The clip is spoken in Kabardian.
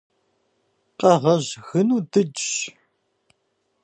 Къэгъэжь гыну дыджщ.